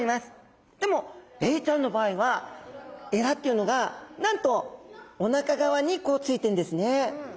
でもエイちゃんの場合は鰓っていうのがなんとおなか側にこうついてんですね。